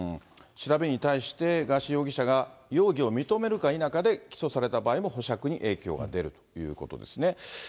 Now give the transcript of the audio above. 調べに対して、ガーシー容疑者が容疑を認めるか否かで起訴された場合の保釈に影響が出るということですね。